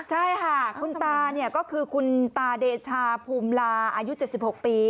ใช่ค่ะคุณตาก็คือคุณตาเดชาภูมิลาอายุ๗๖ปี